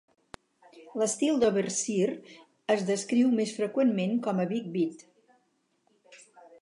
L'estil d'Overseer es descriu més freqüentment com a big beat.